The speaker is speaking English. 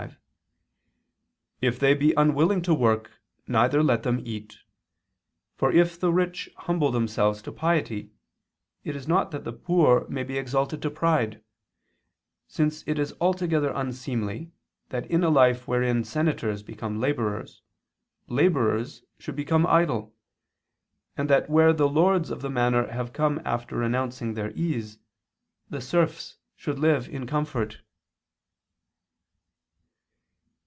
xxv): "If they be unwilling to work, neither let them eat. For if the rich humble themselves to piety, it is not that the poor may be exalted to pride; since it is altogether unseemly that in a life wherein senators become laborers, laborers should become idle, and that where the lords of the manor have come after renouncing their ease, the serfs should live in comfort."